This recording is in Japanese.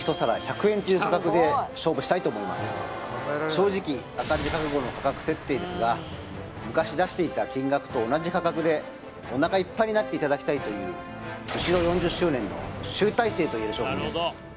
正直赤字覚悟の価格設定ですが昔出していた金額と同じ価格でおなかいっぱいになっていただきたいというといえる商品です